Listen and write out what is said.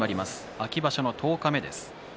秋場所の十日目です。